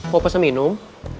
mau pesan minum